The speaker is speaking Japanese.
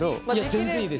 全然いいです。